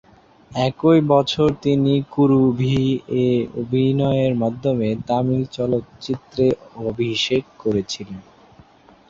একই বছর তিনি "কুরুভী"-এ অভিনয়ের মাধ্যমে তামিল চলচ্চিত্রে অভিষেক করেছিলেন।